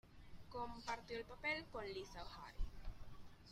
Compartió el papel con Lisa O'Hare.